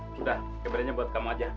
sudah keberaniannya buat kamu saja